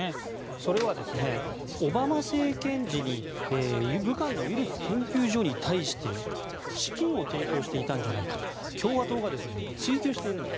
それはオバマ政権時に武漢のウイルス研究所に対して資金を提供したんじゃないかと共和党が追及しているんです。